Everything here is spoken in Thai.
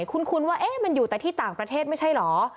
คุ้นว่ามันอยู่แต่ที่ต่างประเทศไม่ใช่เหรอ